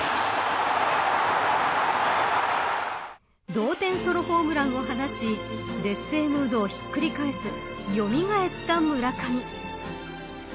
同点ソロホームランを放ち劣勢ムードをひっくり返すよみがえった村上。